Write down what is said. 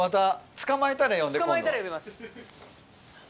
捕まえたら呼びます。